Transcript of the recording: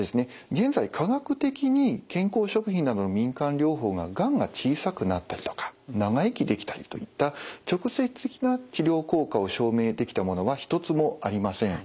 現在科学的に健康食品などの民間療法ががんが小さくなったりとか長生きできたりといった直接的な治療効果を証明できたものは１つもありません。